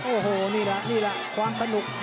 โอ้โหนี่แหละนี่แหละความสนุก